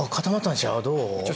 どう？